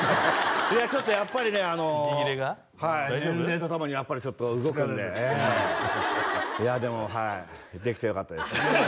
いやちょっとやっぱりね息切れがはい年齢とともにやっぱりちょっと動くんでいやでもはいできてよかったです